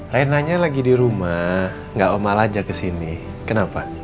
renanya lagi di rumah gak om al ajak kesini kenapa